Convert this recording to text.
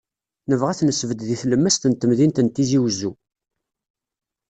Nebɣa ad t-nesbedd deg tlemmast n temdint n Tizi Uzzu.